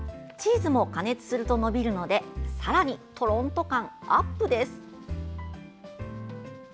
チーズも加熱すると伸びるのでさらにとろーんと感アップです。